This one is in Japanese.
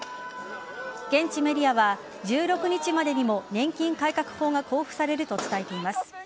現地メディアは１６日までにも年金改革法が公布されると伝えています。